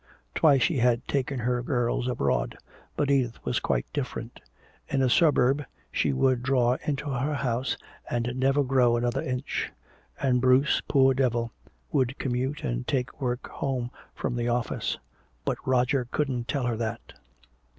Twice she had taken her girls abroad. But Edith was quite different. In a suburb she would draw into her house and never grow another inch. And Bruce, poor devil, would commute and take work home from the office. But Roger couldn't tell her that.